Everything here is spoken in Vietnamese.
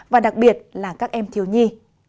và đặc biệt là các em thiếu nhi